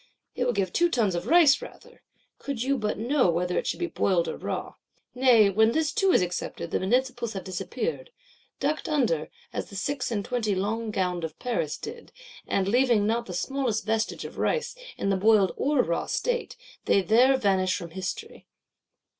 It will give two tons of rice rather,—could you but know whether it should be boiled or raw. Nay when this too is accepted, the Municipals have disappeared;—ducked under, as the Six and Twenty Long gowned of Paris did; and, leaving not the smallest vestage of rice, in the boiled or raw state, they there vanish from History!